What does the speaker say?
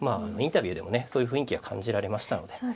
インタビューでもねそういう雰囲気が感じられましたので。